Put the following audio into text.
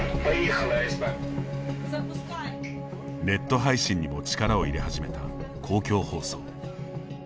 ネット配信にも力を入れ始めた公共放送。